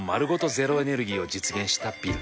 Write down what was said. ゼロエネルギーを実現したビル。